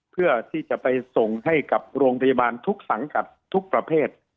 เพื่อที่จะไปส่งให้กับโรงพยาบาลทุกสังกัดทุกประเภท